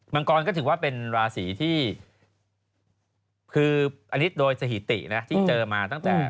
ังกรก็ถือว่าเป็นราศีที่คืออันนี้โดยสถิตินะที่เจอมาตั้งแต่